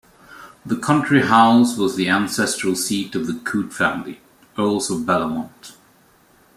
The country house was the ancestral seat of the Coote family, Earls of Bellamont.